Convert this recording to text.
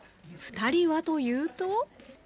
２人はというと。